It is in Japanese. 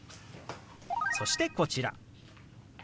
そしてこちら。